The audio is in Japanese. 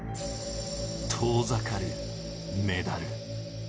遠ざかるメダル。